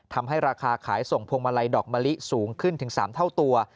ทำให้ราคาขายส่งพวงมาลัยดอกมะลิสูงขึ้นถึง๓เท่าตัว